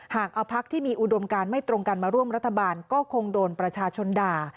หากเอาพักที่มีอุดมการไม่ตรงกันมาร่วมรัฐบาลก็คงโดนประชาชนด่า